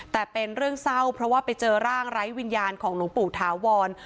แต่เป็นเรื่องเศร้าเพราะว่าไปเจอร่างไร้วิญญาณของหลวงปู่ถาวร